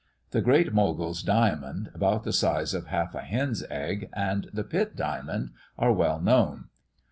The Great Mogul's diamond, about the size of half a hen's egg, and the Pitt diamond, are well known.